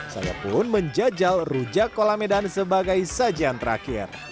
saya pun menjajal rujak kolamedan sebagai sajian terakhir